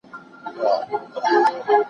بورجیګین د عصابو او ارواپوهنې استاده ده.